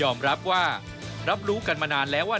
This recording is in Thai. รับว่ารับรู้กันมานานแล้วว่า